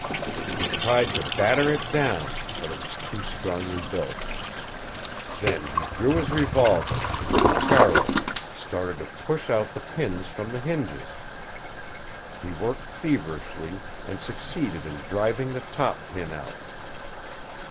He tried to batter it down, but it was too strongly built. Then he drew his revolver and with the barrel started to push out the pins from the hinges. He worked feverishly and succeeded in driving the top pin out.